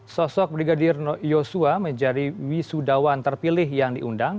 sosok brigadir yosua menjadi wisudawan terpilih yang diundang